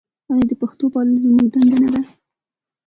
آیا د پښتو پالل زموږ دنده نه ده؟